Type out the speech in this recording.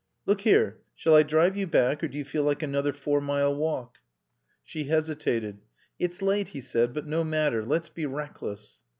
"Look here, shall I drive you back or do you feel like another four mile walk?" She hesitated. "It's late," he said. "But no matter. Let's be reckless."